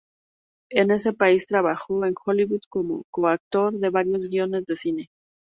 En ese país trabajó en Hollywood como co-autor de varios guiones de cine.